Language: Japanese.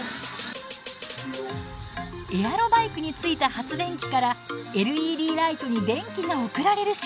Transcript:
エアロバイクについた発電機からＬＥＤライトに電気が送られる仕組み。